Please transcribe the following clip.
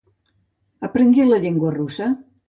Aprengué la llengua russa.